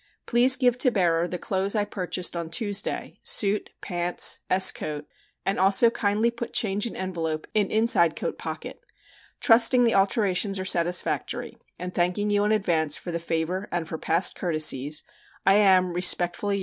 Please give to bearer the clothes I purchased on Tuesday suit pants S. coat, and also kindly put change in envelope in inside coat pocket. Trusting the alterations are satisfactory, and thanking you in advance for the favor and for past courtesies, I am, Resp. yours, GEO. B. LANG.